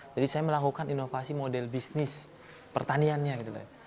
jadi saya melakukan inovasi model bisnis pertaniannya gitu kan